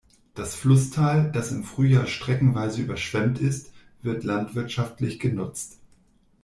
Das Flusstal, das im Frühjahr streckenweise überschwemmt ist, wird landwirtschaftlich genutzt.